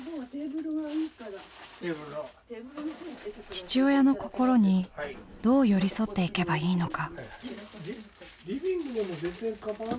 父親の心にどう寄り添っていけばいいのか。